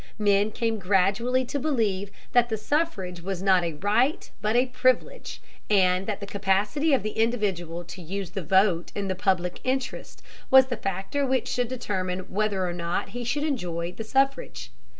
Men came gradually to believe that the suffrage was not a right but a privilege, and that the capacity of the individual to use the vote in the public interest was the factor which should determine whether or not he should enjoy the suffrage.